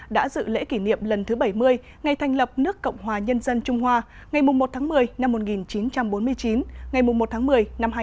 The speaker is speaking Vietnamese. đã dự lễ kỷ niệm lần thứ bảy mươi ngày thành lập nước cộng hòa nhân dân trung hoa ngày một tháng một mươi năm một nghìn chín trăm bốn mươi chín ngày một tháng một mươi năm hai nghìn một mươi